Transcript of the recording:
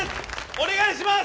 お願いします！